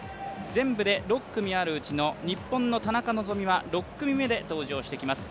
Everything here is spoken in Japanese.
全部で６組あるうちの日本の田中希実は６組目で登場してきます。